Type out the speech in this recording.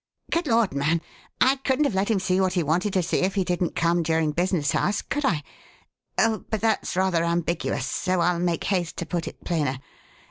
"Good Lord, man! I couldn't have let him see what he wanted to see if he didn't come during business hours, could I? But that's rather ambiguous, so I'll make haste to put it plainer.